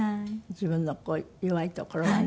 自分の弱いところはね